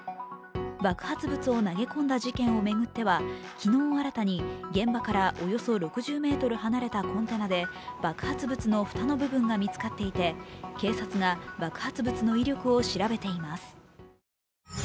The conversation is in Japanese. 爆発物を投げ込んだ事件を巡っては、昨日新たに現場からおよそ６０ｍ離れたコンテナで爆発物の蓋の部分が見つかっていて、警察が爆発物の威力を調べています。